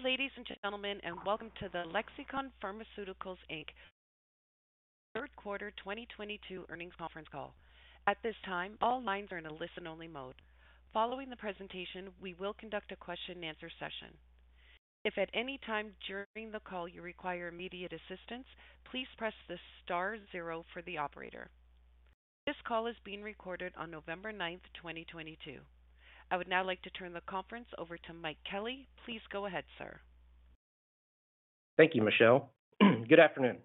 Good day, ladies and gentlemen, and welcome to the Lexicon Pharmaceuticals, Inc. third quarter 2022 earnings conference call. At this time, all lines are in a listen-only mode. Following the presentation, we will conduct a question-and-answer session. If at any time during the call you require immediate assistance, please press the star zero for the operator. This call is being recorded on November 9th, 2022. I would now like to turn the conference over to Mike Kelly. Please go ahead, sir. Thank you, Michelle. Good afternoon,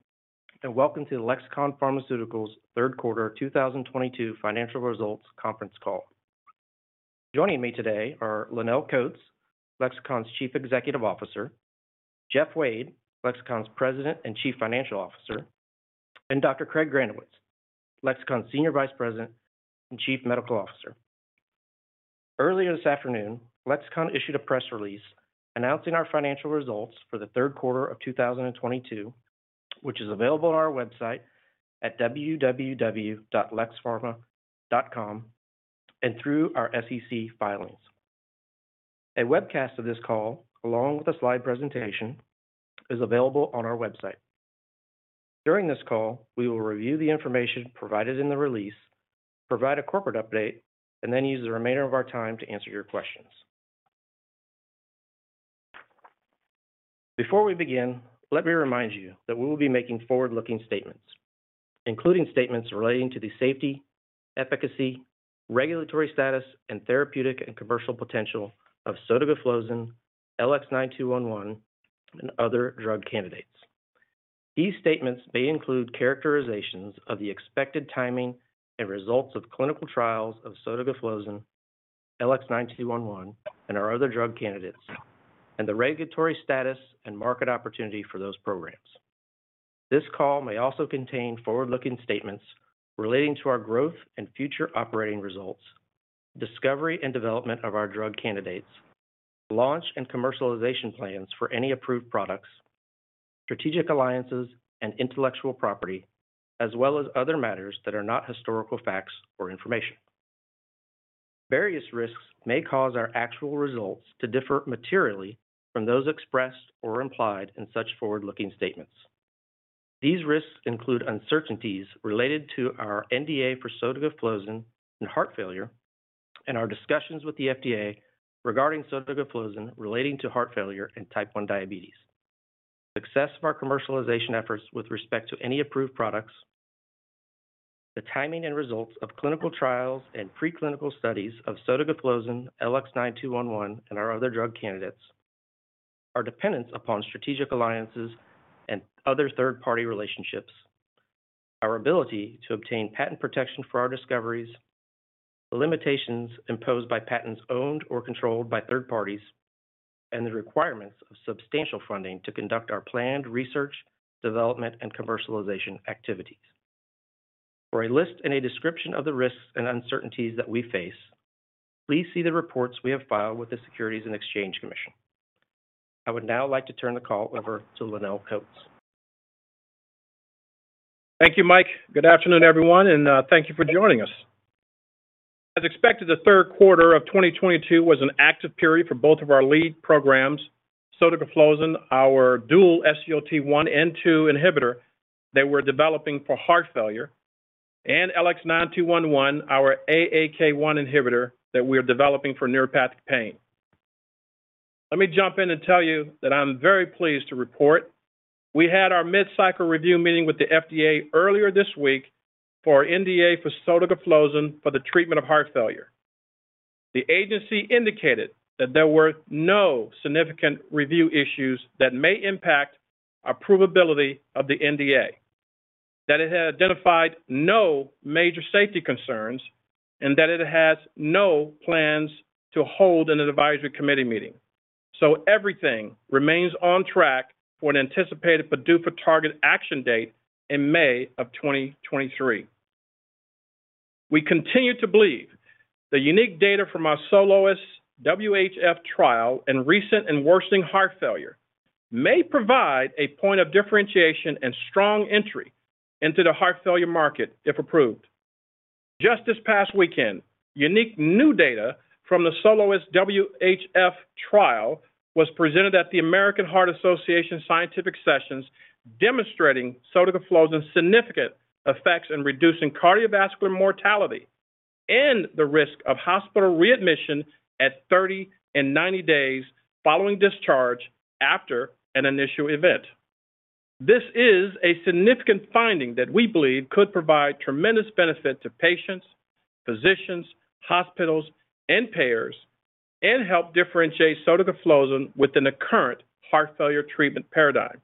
and welcome to the Lexicon Pharmaceuticals third quarter 2022 financial results conference call. Joining me today are Lonnel Coats, Lexicon's Chief Executive Officer, Jeff Wade, Lexicon's President and Chief Financial Officer, and Dr. Craig Granowitz, Lexicon's Senior Vice President and Chief Medical Officer. Earlier this afternoon, Lexicon issued a press release announcing our financial results for the third quarter of 2022, which is available on our website at www.lexpharma.com and through our SEC filings. A webcast of this call, along with a slide presentation, is available on our website. During this call, we will review the information provided in the release, provide a corporate update, and then use the remainder of our time to answer your questions. Before we begin, let me remind you that we will be making forward-looking statements, including statements relating to the safety, efficacy, regulatory status, and therapeutic and commercial potential of sotagliflozin, LX9211, and other drug candidates. These statements may include characterizations of the expected timing and results of clinical trials of sotagliflozin, LX9211, and our other drug candidates, and the regulatory status and market opportunity for those programs. This call may also contain forward-looking statements relating to our growth and future operating results, discovery and development of our drug candidates, launch and commercialization plans for any approved products, strategic alliances and intellectual property, as well as other matters that are not historical facts or information. Various risks may cause our actual results to differ materially from those expressed or implied in such forward-looking statements. These risks include uncertainties related to our NDA for sotagliflozin in heart failure and our discussions with the FDA regarding sotagliflozin relating to heart failure and type one diabetes, success of our commercialization efforts with respect to any approved products, the timing and results of clinical trials and preclinical studies of sotagliflozin, LX9211, and our other drug candidates, our dependence upon strategic alliances and other third-party relationships, our ability to obtain patent protection for our discoveries, limitations imposed by patents owned or controlled by third parties, and the requirements of substantial funding to conduct our planned research, development, and commercialization activities. For a list and a description of the risks and uncertainties that we face, please see the reports we have filed with the Securities and Exchange Commission. I would now like to turn the call over to Lonnel Coats. Thank you, Mike. Good afternoon, everyone, and thank you for joining us. As expected, the third quarter of 2022 was an active period for both of our lead programs, sotagliflozin, our dual SGLT1 and SGLT2 inhibitor that we're developing for heart failure, and LX9211, our AAK1 inhibitor that we are developing for neuropathic pain. Let me jump in and tell you that I'm very pleased to report we had our mid-cycle review meeting with the FDA earlier this week for our NDA for sotagliflozin for the treatment of heart failure. The agency indicated that there were no significant review issues that may impact approvability of the NDA, that it had identified no major safety concerns, and that it has no plans to hold an advisory committee meeting. Everything remains on track for an anticipated PDUFA target action date in May of 2023. We continue to believe the unique data from our SOLOIST-WHF trial in recent and worsening heart failure may provide a point of differentiation and strong entry into the heart failure market if approved. Just this past weekend, unique new data from the SOLOIST-WHF trial was presented at the American Heart Association Scientific Sessions, demonstrating sotagliflozin's significant effects in reducing cardiovascular mortality and the risk of hospital readmission at 30 and 90 days following discharge after an initial event. This is a significant finding that we believe could provide tremendous benefit to patients, physicians, hospitals, and payers and help differentiate sotagliflozin within the current heart failure treatment paradigm.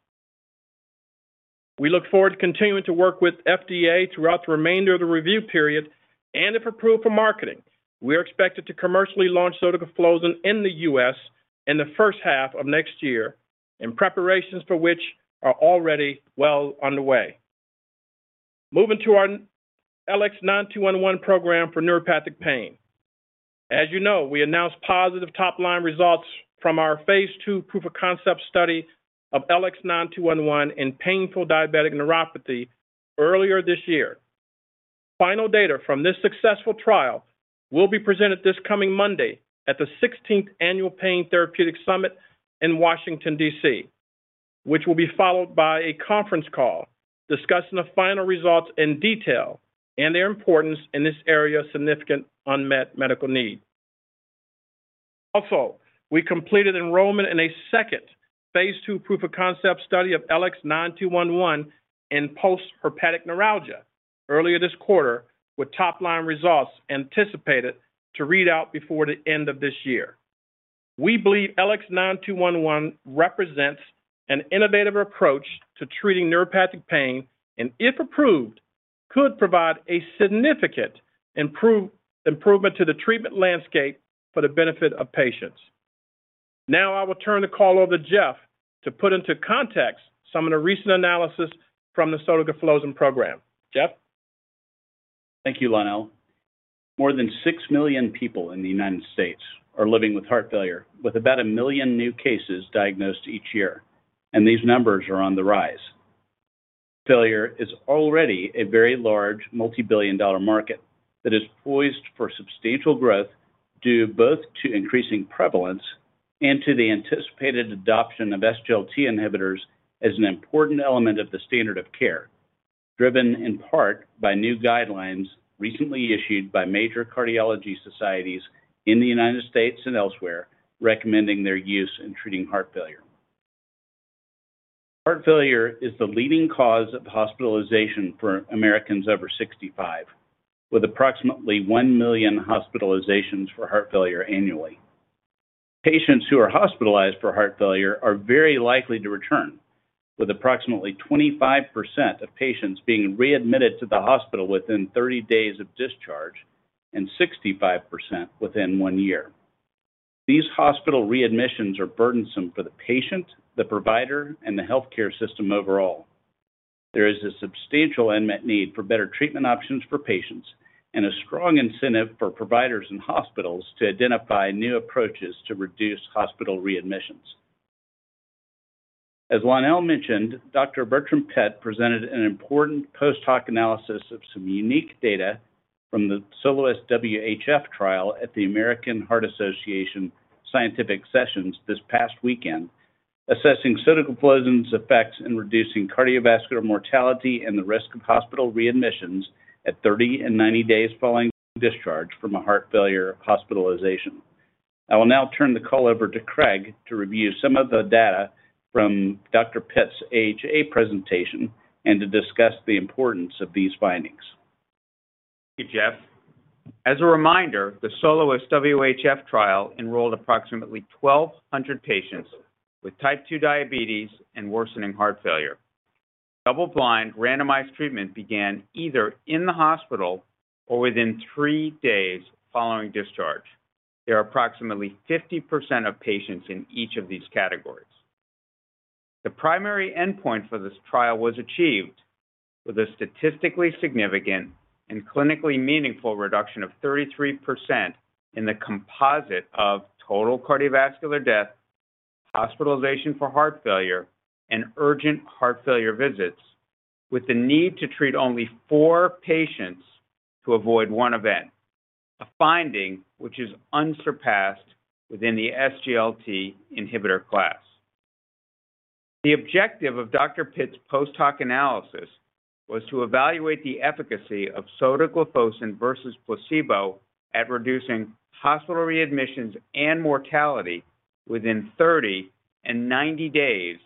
We look forward to continuing to work with FDA throughout the remainder of the review period, and if approved for marketing, we are expected to commercially launch sotagliflozin in the U.S. in the first half of next year and preparations for which are already well underway. Moving to our LX9211 program for neuropathic pain. As you know, we announced positive top-line results from our phase II proof of concept study of LX9211 in painful diabetic neuropathy earlier this year. Final data from this successful trial will be presented this coming Monday at the 16th Annual Pain Therapeutics Summit in Washington, D.C., which will be followed by a conference call discussing the final results in detail and their importance in this area of significant unmet medical need. Also, we completed enrollment in a second phase II proof of concept study of LX9211 in postherpetic neuralgia earlier this quarter, with top-line results anticipated to read out before the end of this year. We believe LX9211 represents an innovative approach to treating neuropathic pain and, if approved, could provide a significant improvement to the treatment landscape for the benefit of patients. Now I will turn the call over to Jeff to put into context some of the recent analysis from the sotagliflozin program. Jeff. Thank you, Lonnel. More than 6 million people in the United States are living with heart failure, with about 1 million new cases diagnosed each year, and these numbers are on the rise. Heart failure is already a very large multi-billion dollar market that is poised for substantial growth due both to increasing prevalence and to the anticipated adoption of SGLT inhibitors as an important element of the standard of care, driven in part by new guidelines recently issued by major cardiology societies in the United States and elsewhere recommending their use in treating heart failure. Heart failure is the leading cause of hospitalization for Americans over 65, with approximately 1 million hospitalizations for heart failure annually. Patients who are hospitalized for heart failure are very likely to return, with approximately 25% of patients being readmitted to the hospital within 30 days of discharge and 65% within one year. These hospital readmissions are burdensome for the patient, the provider, and the healthcare system overall. There is a substantial unmet need for better treatment options for patients and a strong incentive for providers and hospitals to identify new approaches to reduce hospital readmissions. As Lonnel mentioned, Dr. Bertram Pitt presented an important post hoc analysis of some unique data from the SOLOIST-WHF trial at the American Heart Association Scientific Sessions this past weekend, assessing sotagliflozin's effects in reducing cardiovascular mortality and the risk of hospital readmissions at 30 and 90 days following discharge from a heart failure hospitalization. I will now turn the call over to Craig to review some of the data from Dr. Pitt's AHA presentation and to discuss the importance of these findings. Thank you, Jeff. As a reminder, the SOLOIST-WHF trial enrolled approximately 1,200 patients with type 2 diabetes and worsening heart failure. Double-blind randomized treatment began either in the hospital or within three days following discharge. There are approximately 50% of patients in each of these categories. The primary endpoint for this trial was achieved with a statistically significant and clinically meaningful reduction of 33% in the composite of total cardiovascular death, hospitalization for heart failure, and urgent heart failure visits with the need to treat only four patients to avoid one event, a finding which is unsurpassed within the SGLT inhibitor class. The objective of Dr. Pitt's post hoc analysis was to evaluate the efficacy of sotagliflozin versus placebo at reducing hospital readmissions and mortality within 30 and 90 days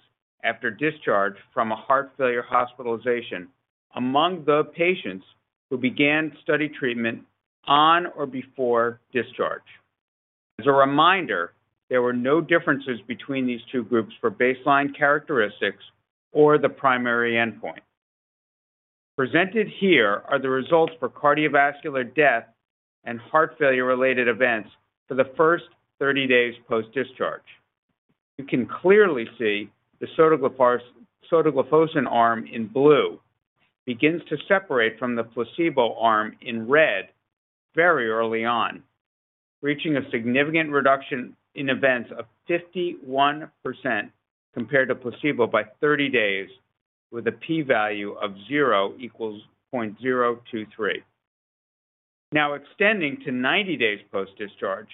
after discharge from a heart failure hospitalization among the patients who began study treatment on or before discharge. As a reminder, there were no differences between these two groups for baseline characteristics or the primary endpoint. Presented here are the results for cardiovascular death and heart failure-related events for the first 30 days post-discharge. You can clearly see the sotagliflozin arm in blue begins to separate from the placebo arm in red very early on, reaching a significant reduction in events of 51% compared to placebo by 30 days with a P value of 0.023. Now extending to 90 days post-discharge,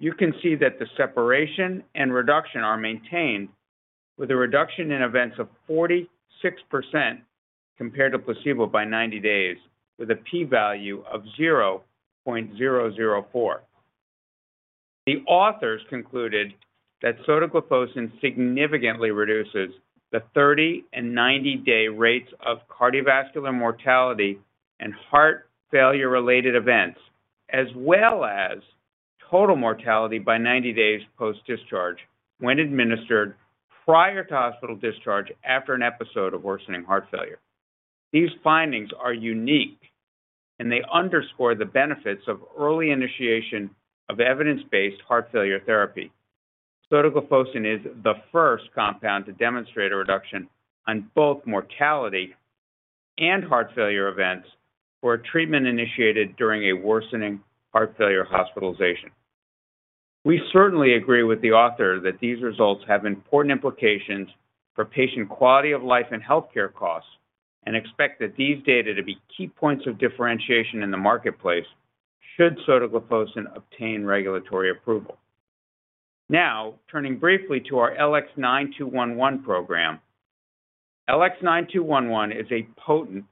you can see that the separation and reduction are maintained with a reduction in events of 46% compared to placebo by 90 days with a P value of 0.004. The authors concluded that sotagliflozin significantly reduces the 30- and 90-day rates of cardiovascular mortality and heart failure-related events as well as total mortality by 90 days post-discharge when administered prior to hospital discharge after an episode of worsening heart failure. These findings are unique, and they underscore the benefits of early initiation of evidence-based heart failure therapy. Sotagliflozin is the first compound to demonstrate a reduction in both mortality and heart failure events for treatment initiated during a worsening heart failure hospitalization. We certainly agree with the author that these results have important implications for patient quality of life and healthcare costs, and expect that these data to be key points of differentiation in the marketplace should sotagliflozin obtain regulatory approval. Now, turning briefly to our LX9211 program. LX9211 is a potent,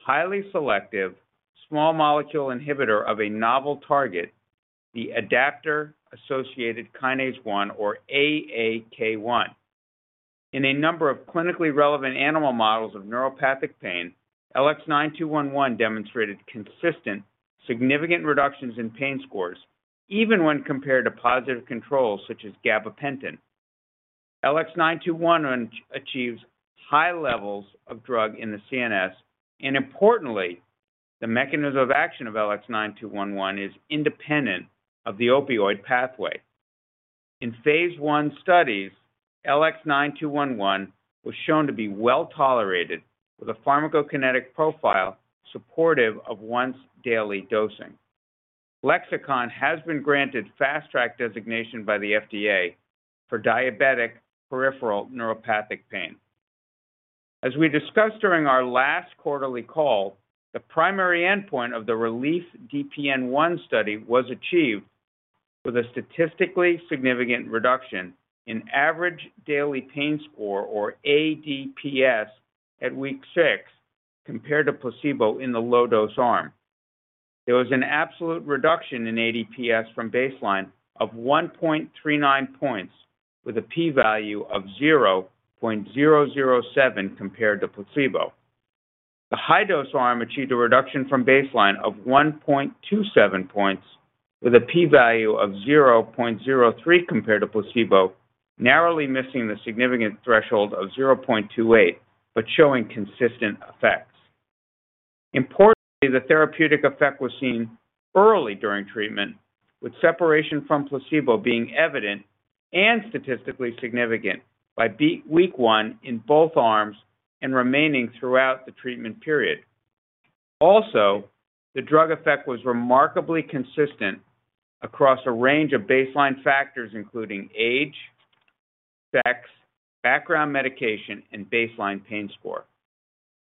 highly selective small molecule inhibitor of a novel target, the adaptor-associated kinase 1 or AAK1. In a number of clinically relevant animal models of neuropathic pain, LX9211 demonstrated consistent significant reductions in pain scores even when compared to positive controls such as gabapentin. LX9211 achieves high levels of drug in the CNS, and importantly, the mechanism of action of LX9211 is independent of the opioid pathway. In phase I studies, LX9211 was shown to be well-tolerated with a pharmacokinetic profile supportive of once daily dosing. Lexicon has been granted Fast Track designation by the FDA for diabetic peripheral neuropathic pain. As we discussed during our last quarterly call, the primary endpoint of RELIEF-DPN-1 study was achieved with a statistically significant reduction in average daily pain score or ADPS at week six compared to placebo in the low dose arm. There was an absolute reduction in ADPS from baseline of 1.39 points with a P value of 0.007 compared to placebo. The high dose arm achieved a reduction from baseline of 1.27 points with a P value of 0.03 compared to placebo, narrowly missing the significant threshold of 0.28 but showing consistent effects. Importantly, the therapeutic effect was seen early during treatment with separation from placebo being evident and statistically significant by week one in both arms and remaining throughout the treatment period. Also, the drug effect was remarkably consistent across a range of baseline factors, including age, sex, background medication, and baseline pain score.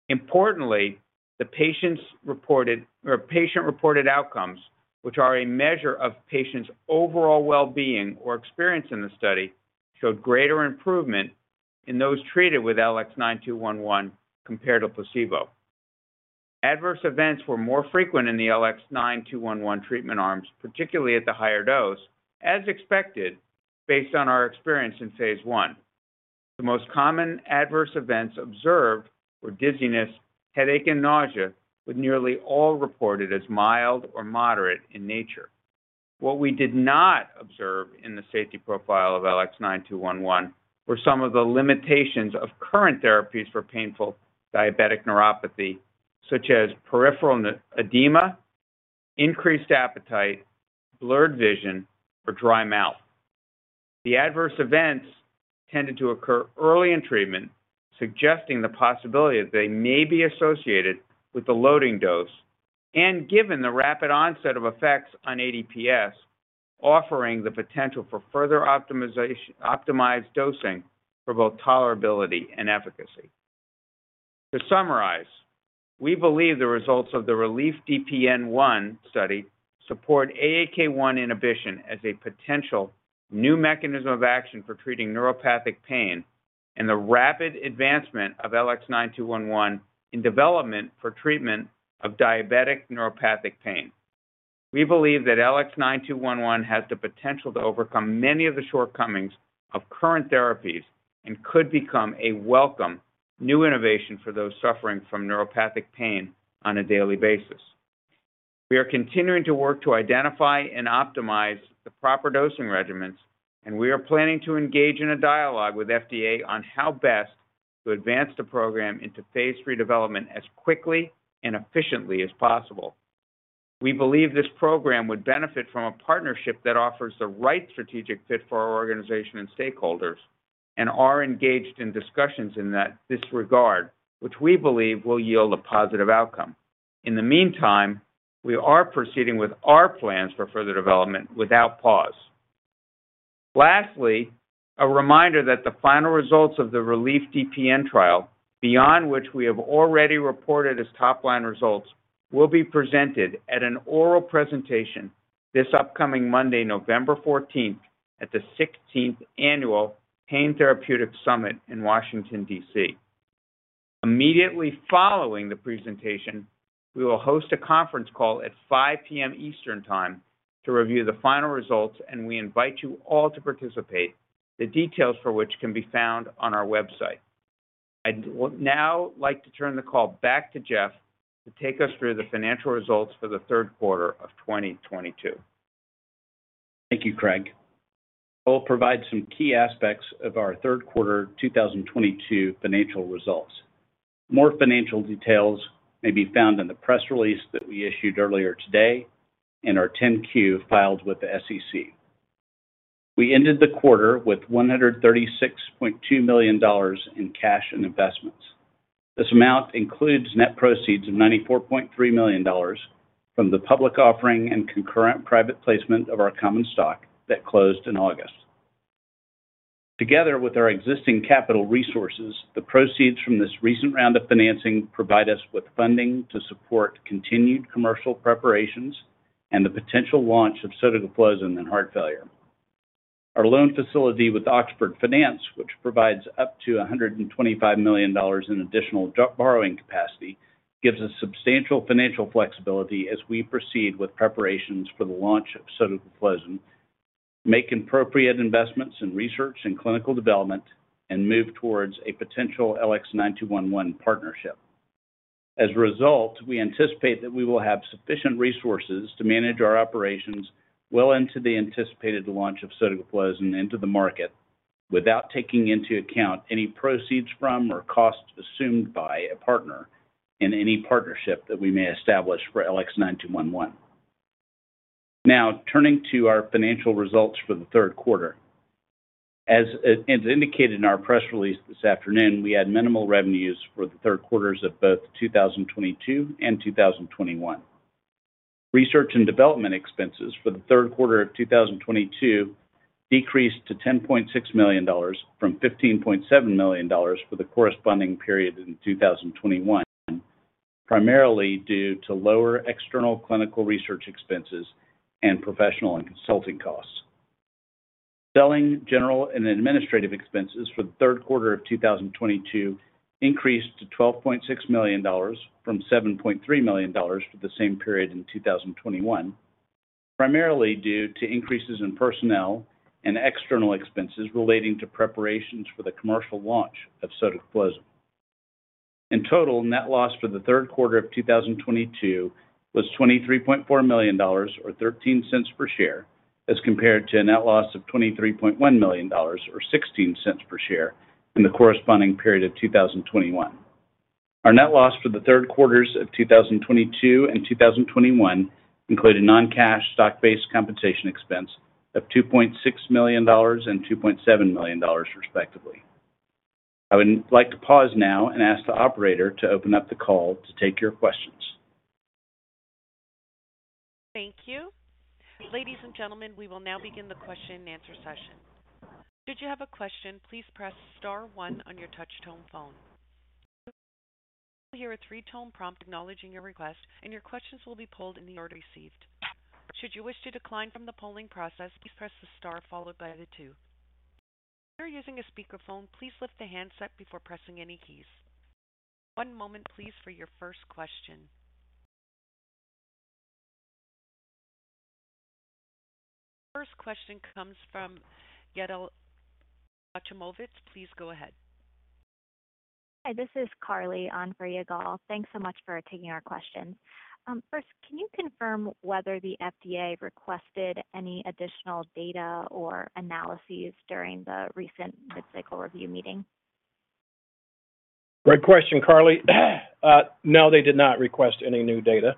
Importantly, the patients reported or patient-reported outcomes, which are a measure of patients' overall well-being or experience in the study, showed greater improvement in those treated with LX9211 compared to placebo. Adverse events were more frequent in the LX9211 treatment arms, particularly at the higher dose, as expected based on our experience in phase I. The most common adverse events observed were dizziness, headache, and nausea, with nearly all reported as mild or moderate in nature. What we did not observe in the safety profile of LX9211 were some of the limitations of current therapies for painful diabetic neuropathy, such as peripheral edema, increased appetite, blurred vision, or dry mouth. The adverse events tended to occur early in treatment, suggesting the possibility that they may be associated with the loading dose, and given the rapid onset of effects on ADPS, offering the potential for further optimization, optimized dosing for both tolerability and efficacy. To summarize, we believe the results of RELIEF-DPN-1 study support AAK1 inhibition as a potential new mechanism of action for treating neuropathic pain and the rapid advancement of LX9211 in development for treatment of diabetic neuropathic pain. We believe that LX9211 has the potential to overcome many of the shortcomings of current therapies and could become a welcome new innovation for those suffering from neuropathic pain on a daily basis. We are continuing to work to identify and optimize the proper dosing regimens, and we are planning to engage in a dialogue with FDA on how best to advance the program into phase III development as quickly and efficiently as possible. We believe this program would benefit from a partnership that offers the right strategic fit for our organization and stakeholders, and are engaged in discussions in that regard, which we believe will yield a positive outcome. In the meantime, we are proceeding with our plans for further development without pause. Lastly, a reminder that the final results of the RELIEF-DPN trial, beyond which we have already reported as top-line results, will be presented at an oral presentation this upcoming Monday, November 14th, at the 16th Annual Pain Therapeutics Summit in Washington, D.C. Immediately following the presentation, we will host a conference call at 5:00 P.M. Eastern Time to review the final results, and we invite you all to participate, the details for which can be found on our website. I'd now like to turn the call back to Jeff to take us through the financial results for the third quarter of 2022. Thank you, Craig. I will provide some key aspects of our third quarter 2022 financial results. More financial details may be found in the press release that we issued earlier today and our 10-Q filed with the SEC. We ended the quarter with $136.2 million in cash and investments. This amount includes net proceeds of $94.3 million from the public offering and concurrent private placement of our common stock that closed in August. Together with our existing capital resources, the proceeds from this recent round of financing provide us with funding to support continued commercial preparations and the potential launch of sotagliflozin in heart failure. Our loan facility with Oxford Finance, which provides up to $125 million in additional borrowing capacity, gives us substantial financial flexibility as we proceed with preparations for the launch of sotagliflozin, make appropriate investments in research and clinical development, and move towards a potential LX9211 partnership. As a result, we anticipate that we will have sufficient resources to manage our operations well into the anticipated launch of sotagliflozin into the market without taking into account any proceeds from or costs assumed by a partner in any partnership that we may establish for LX9211. Now turning to our financial results for the third quarter. As indicated in our press release this afternoon, we had minimal revenues for the third quarters of both 2022 and 2021. Research and development expenses for the third quarter of 2022 decreased to $10.6 million from $15.7 million for the corresponding period in 2021, primarily due to lower external clinical research expenses and professional and consulting costs. Selling, general, and administrative expenses for the third quarter of 2022 increased to $12.6 million from $7.3 million for the same period in 2021, primarily due to increases in personnel and external expenses relating to preparations for the commercial launch of sotagliflozin. In total, net loss for the third quarter of 2022 was $23.4 million or $0.13 per share as compared to a net loss of $23.1 million or $0.16 per share in the corresponding period of 2021. Our net loss for the third quarters of 2022 and 2021 included non-cash stock-based compensation expense of $2.6 million and $2.7 million, respectively. I would like to pause now and ask the operator to open up the call to take your questions. Thank you. Ladies and gentlemen, we will now begin the question and answer session. Should you have a question, please press star one on your touch-tone phone. You will hear a three-tone prompt acknowledging your request, and your questions will be polled in the order received. Should you wish to decline from the polling process, please press the star followed by the two. If you are using a speakerphone, please lift the handset before pressing any keys. One moment please for your first question. The first question comes from Yigal Nochomovitz. Please go ahead. Hi, this is Carly on for Yigal. Thanks so much for taking our question. First, can you confirm whether the FDA requested any additional data or analyses during the recent mid-cycle review meeting? Great question, Carly. No, they did not request any new data.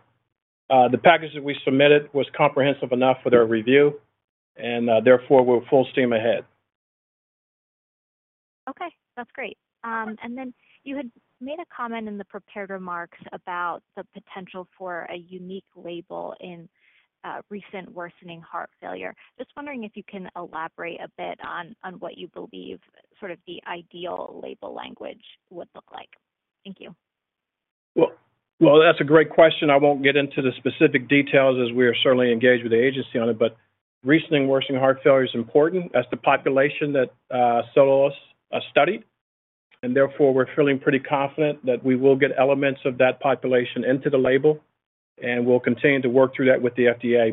The package that we submitted was comprehensive enough for their review and, therefore we're full steam ahead. Okay, that's great. You had made a comment in the prepared remarks about the potential for a unique label in recent worsening heart failure. Just wondering if you can elaborate a bit on what you believe sort of the ideal label language would look like. Thank you. Well, that's a great question. I won't get into the specific details as we are certainly engaged with the agency on it. Recent and worsening heart failure is important. That's the population that SOLOIST studied, and therefore we're feeling pretty confident that we will get elements of that population into the label, and we'll continue to work through that with the FDA.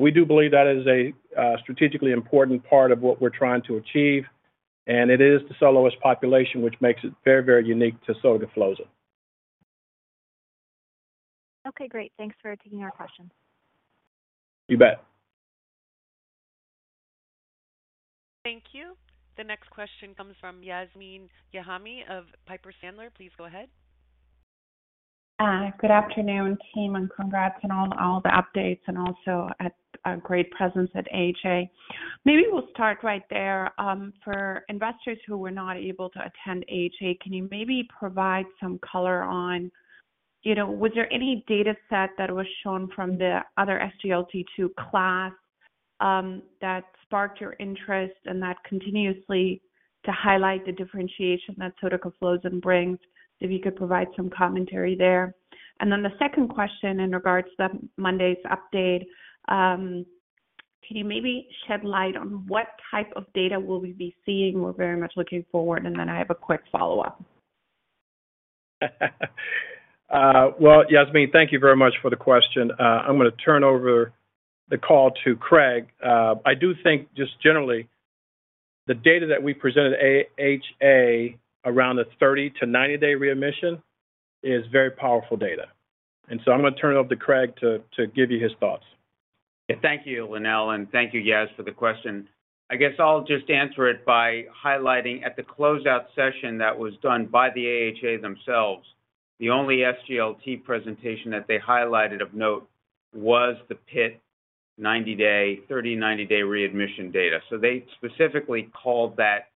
We do believe that is a strategically important part of what we're trying to achieve, and it is the SOLOIST population, which makes it very, very unique to sotagliflozin. Okay, great. Thanks for taking our question. You bet. Thank you. The next question comes from Yasmeen Rahimi of Piper Sandler. Please go ahead. Good afternoon, team, and congrats on all the updates and also a great presence at AHA. Maybe we'll start right there. For investors who were not able to attend AHA, can you maybe provide some color on, you know, was there any data set that was shown from the other SGLT2 class, that sparked your interest and that continues to highlight the differentiation that sotagliflozin brings? If you could provide some commentary there. Then the second question in regards to Monday's update, can you maybe shed light on what type of data will we be seeing? We're very much looking forward, and then I have a quick follow-up. Well, Yasmeen, thank you very much for the question. I'm gonna turn over the call to Craig. I do think just generally the data that we presented at AHA around the 30 to 90-day readmission is very powerful data. I'm gonna turn it over to Craig to give you his thoughts. Thank you, Lonnel, and thank you, Yas, for the question. I guess I'll just answer it by highlighting at the closeout session that was done by the AHA themselves, the only SGLT presentation that they highlighted of note was the Pitt 90-day, 30-, 90-day readmission data. They specifically called that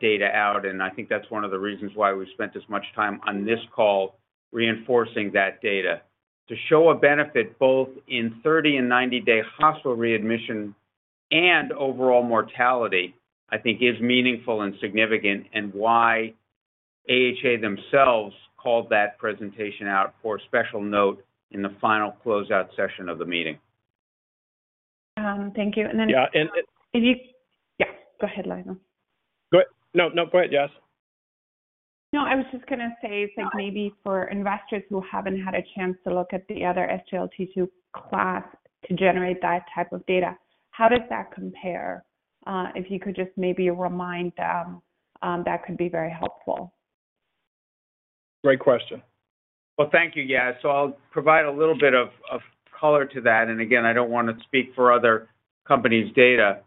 data out, and I think that's one of the reasons why we spent this much time on this call reinforcing that data. To show a benefit both in 30- and 90-day hospital readmission and overall mortality, I think is meaningful and significant and why AHA themselves called that presentation out for special note in the final closeout session of the meeting. Thank you. Yeah, and. Yeah, go ahead, Lonnel. No, no, go ahead, Yas. No, I was just gonna say, so maybe for investors who haven't had a chance to look at the other SGLT2 class to generate that type of data, how does that compare? If you could just maybe remind them, that could be very helpful. Great question. Well, thank you, Yas. I'll provide a little bit of color to that. Again, I don't wanna speak for other companies' data,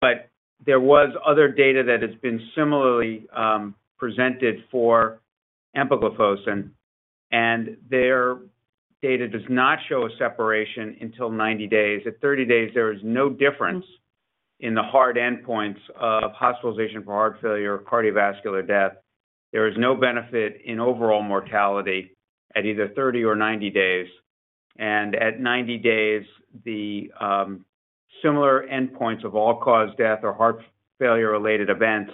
but there was other data that has been similarly presented for empagliflozin, and their data does not show a separation until 90 days. At 30 days, there is no difference in the hard endpoints of hospitalization for heart failure or cardiovascular death. There is no benefit in overall mortality at either 30 or 90 days. At 90 days, the similar endpoints of all-cause death or heart failure-related events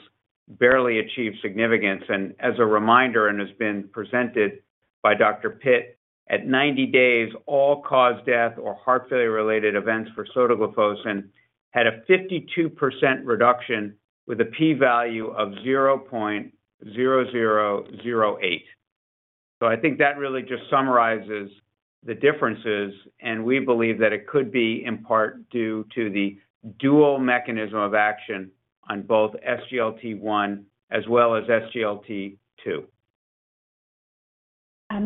barely achieve significance. As a reminder, has been presented by Dr. Pitt, at 90 days, all-cause death or heart failure-related events for sotagliflozin had a 52% reduction with a P value of 0.0008. I think that really just summarizes the differences, and we believe that it could be in part due to the dual mechanism of action on both SGLT1 as well as SGLT2.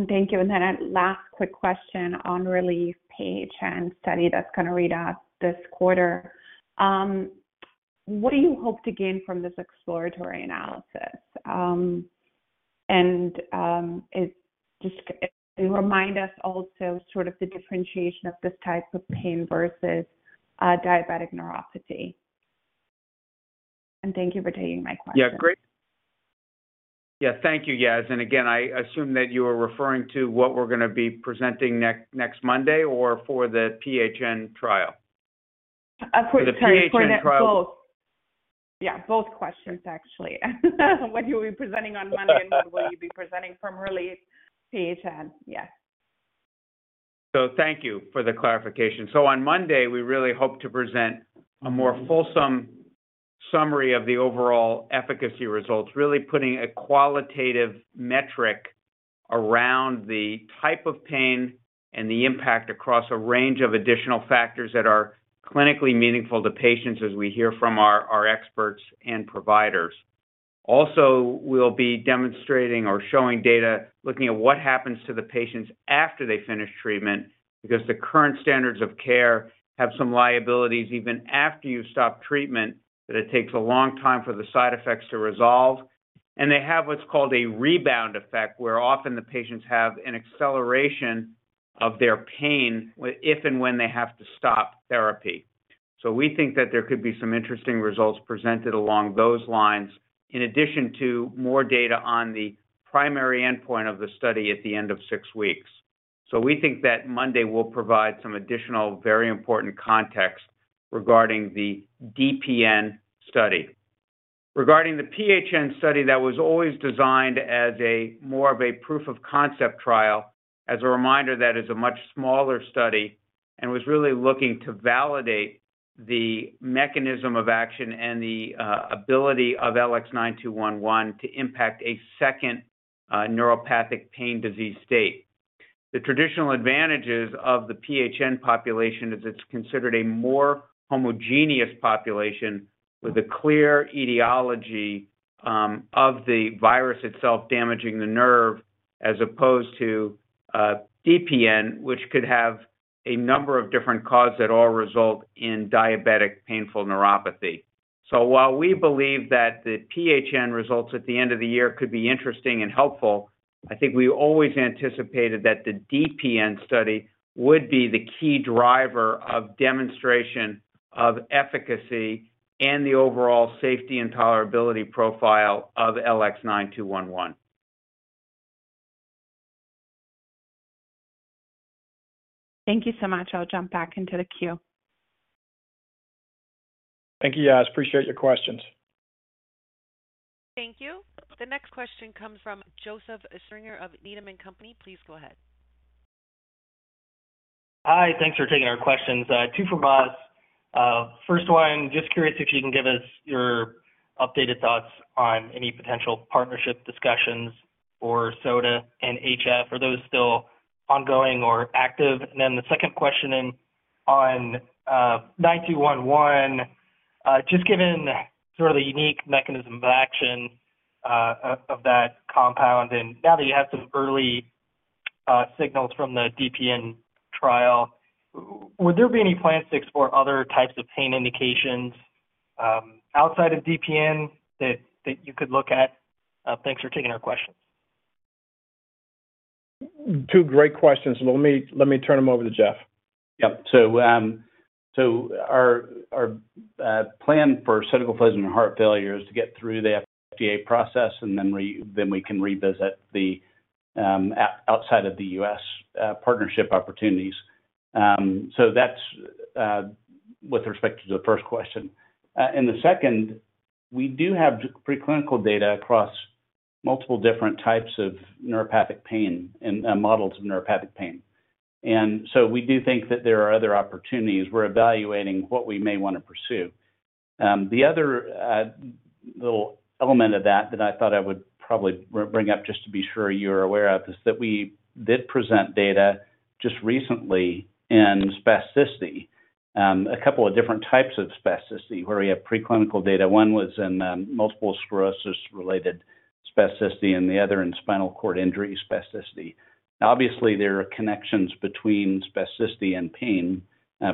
Thank you. Then a last quick question on RELIEF-PHN-1 study that's gonna read out this quarter. What do you hope to gain from this exploratory analysis? If you remind us also sort of the differentiation of this type of pain versus diabetic neuropathy. Thank you for taking my question. Yeah, great. Yeah. Thank you, Yas. Again, I assume that you are referring to what we're gonna be presenting next Monday or for the PHN trial. Sorry, for the The PHN trial. Both. Yeah, both questions, actually. What you'll be presenting on Monday and what will you be presenting from RELIEF-PHN-1? Yes. Thank you for the clarification. On Monday, we really hope to present a more fulsome summary of the overall efficacy results, really putting a qualitative metric around the type of pain and the impact across a range of additional factors that are clinically meaningful to patients as we hear from our experts and providers. Also, we'll be demonstrating or showing data, looking at what happens to the patients after they finish treatment because the current standards of care have some liabilities even after you stop treatment, that it takes a long time for the side effects to resolve. They have what's called a rebound effect, where often the patients have an acceleration of their pain if and when they have to stop therapy. We think that there could be some interesting results presented along those lines, in addition to more data on the primary endpoint of the study at the end of six weeks. We think that Monday will provide some additional very important context regarding the DPN study. Regarding the PHN study, that was always designed as more of a proof of concept trial. As a reminder, that is a much smaller study and was really looking to validate the mechanism of action and the ability of LX9211 to impact a second neuropathic pain disease state. The traditional advantages of the PHN population is it's considered a more homogeneous population with a clear etiology of the virus itself damaging the nerve as opposed to DPN, which could have a number of different causes that all result in diabetic painful neuropathy. While we believe that the PHN results at the end of the year could be interesting and helpful, I think we always anticipated that the DPN study would be the key driver of demonstration of efficacy and the overall safety and tolerability profile of LX9211. Thank you so much. I'll jump back into the queue. Thank you, Yas. Appreciate your questions. Thank you. The next question comes from Joseph Stringer of Needham & Company. Please go ahead. Hi. Thanks for taking our questions. Two from us. First one, just curious if you can give us your updated thoughts on any potential partnership discussions for sotagliflozin and HF. Are those still ongoing or active? The second question on LX9211, just given sort of the unique mechanism of action of that compound and now that you have some early signals from the DPN trial, would there be any plans to explore other types of pain indications outside of DPN that you could look at? Thanks for taking our questions. Two great questions. Let me turn them over to Jeff. Our plan for sotagliflozin heart failure is to get through the FDA process, and then we can revisit the outside of the U.S. partnership opportunities. That's with respect to the first question. The second, we do have preclinical data across multiple different types of neuropathic pain and models of neuropathic pain. We do think that there are other opportunities. We're evaluating what we may wanna pursue. The other little element of that that I thought I would probably bring up just to be sure you're aware of is that we did present data just recently in spasticity, a couple of different types of spasticity where we have preclinical data. One was in multiple sclerosis-related spasticity and the other in spinal cord injury spasticity. Obviously, there are connections between spasticity and pain,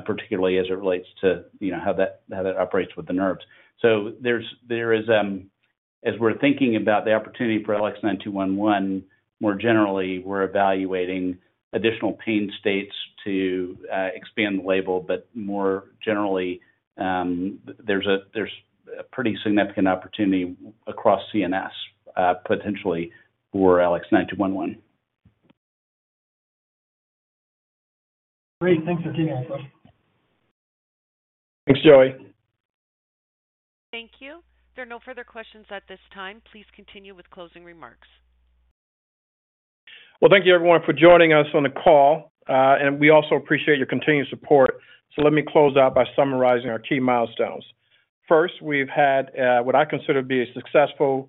particularly as it relates to, you know, how that operates with the nerves. There is, as we're thinking about the opportunity for LX9211, more generally, we're evaluating additional pain states to expand the label, but more generally, there's a pretty significant opportunity across CNS, potentially for LX9211. Great. Thanks for taking my question. Thanks, Joseph. Thank you. There are no further questions at this time. Please continue with closing remarks. Well, thank you everyone for joining us on the call, and we also appreciate your continued support. Let me close out by summarizing our key milestones. First, we've had what I consider to be a successful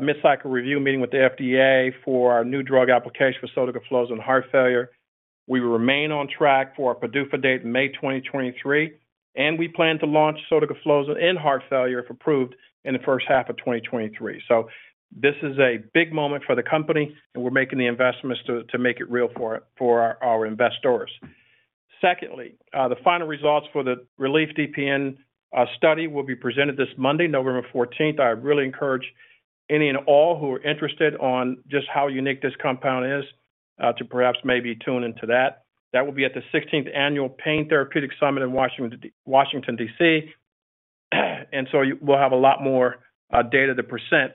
mid-cycle review meeting with the FDA for our new drug application for sotagliflozin heart failure. We remain on track for our PDUFA date in May 2023, and we plan to launch sotagliflozin in heart failure, if approved, in the first half of 2023. This is a big moment for the company, and we're making the investments to make it real for our investors. Secondly, the final results for the RELIEF-DPN-1 study will be presented this Monday, November 14th. I really encourage any and all who are interested in just how unique this compound is to perhaps maybe tune into that. That will be at the 16th Annual Pain Therapeutics Summit in Washington, D.C. We'll have a lot more data to present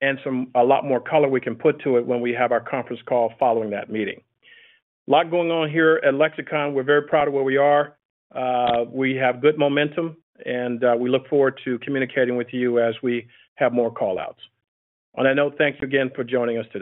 and some a lot more color we can put to it when we have our conference call following that meeting. A lot going on here at Lexicon. We're very proud of where we are. We have good momentum, and we look forward to communicating with you as we have more call-outs. On that note, thank you again for joining us.